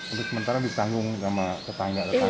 untuk sementara ditanggung sama tetangga tetangga ini